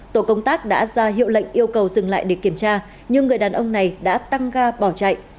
tổ công tác đã ra hiệu lệnh yêu cầu dừng lại để kiểm tra nhưng người đàn ông này đã tăng ga bỏ chạy